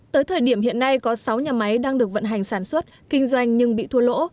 tới thời điểm hiện nay có sáu nhà máy đang được vận hành sản xuất kinh doanh nhưng bị thua lỗ